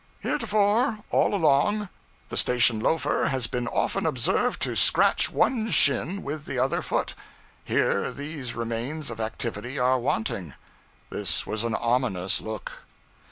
'Heretofore, all along, the station loafer has been often observed to scratch one shin with the other foot; here, these remains of activity are wanting. This has an ominous look.'